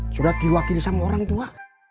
sudah diwakili sama orang tua